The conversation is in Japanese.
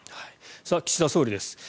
岸田総理です。